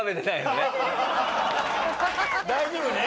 大丈夫ね？